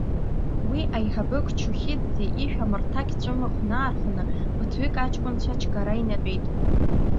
Уи аиҳабы Кәчухьиӡе ишә амырҭақь ҵәымӷ наарханы ԥыҭҩык аҷкәынцәа чгара инатәеит.